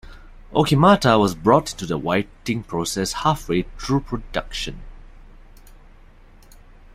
Okimata was brought into the writing process halfway through production.